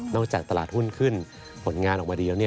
จากตลาดหุ้นขึ้นผลงานออกมาดีแล้ว